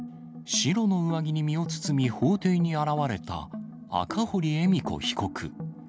白の上着に身を包み、法廷に現れた赤堀恵美子被告。